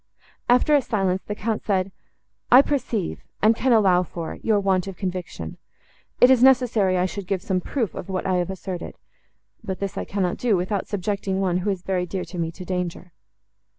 After a silence, the Count said, "I perceive, and can allow for, your want of conviction. It is necessary I should give some proof of what I have asserted; but this I cannot do, without subjecting one, who is very dear to me, to danger."